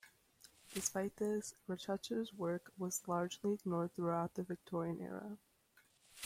Despite this, Rochester's work was largely ignored throughout the Victorian era.